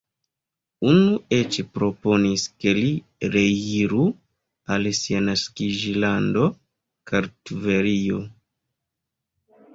Unu eĉ proponis, ke li reiru al sia naskiĝlando Kartvelio.